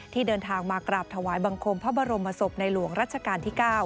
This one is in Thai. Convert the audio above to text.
เดินทางมากราบถวายบังคมพระบรมศพในหลวงรัชกาลที่๙